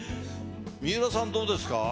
水卜さん、どうですか？